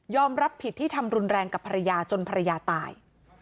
รับผิดที่ทำรุนแรงกับภรรยาจนภรรยาตาย